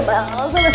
berat berat berat